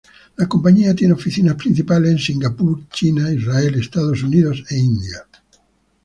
La compañía tiene oficinas principales en Singapur, China, Israel, Estados Unidos e India.